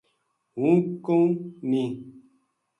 ہوں کہوں ’ نیہہ‘